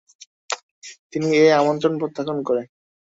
তিনি এ আমন্ত্রন প্রত্যাখ্যান করে।